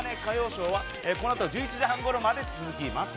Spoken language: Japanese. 歌謡ＳＨＯＷはこのあと１１時半ごろまで続きます。